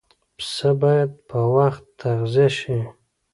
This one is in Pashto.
پسه باید په وخت تغذیه شي.